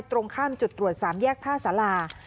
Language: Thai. ตรงข้ามจุดตรวจสามแยกผ้าสลา